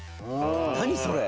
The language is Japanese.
何それ。